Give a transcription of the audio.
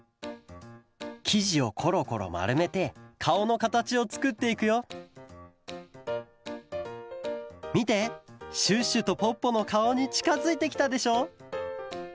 きじをコロコロまるめてかおのかたちをつくっていくよみてシュッシュとポッポのかおにちかづいてきたでしょ？